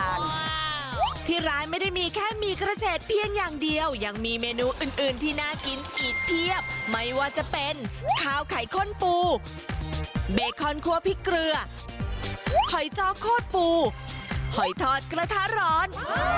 ที่ร้านไม่ได้มีแค่หมี่กระเศษเพียงอย่างเดียวยังมีเมนูอื่นอื่นที่น่ากินอีกเพียบไม่ว่าจะเป็นข้าวไข่ข้นปูเบคอนครัวพริกเกลือหอยจ้อโคตรปูหอยทอดกระทะร้อน